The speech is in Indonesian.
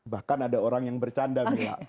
bahkan ada orang yang bercanda mila